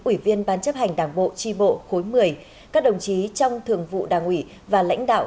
ủy viên ban chấp hành đảng bộ tri bộ khối một mươi các đồng chí trong thường vụ đảng ủy và lãnh đạo